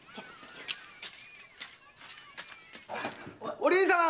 お凛さん！